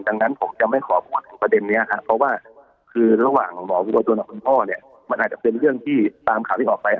ดังนั้นผมจะไม่ขอพูดถึงประเด็นนี้ค่ะ